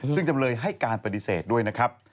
ซึ่งจำเลยให้การปฏิเสธด้วยนะครับ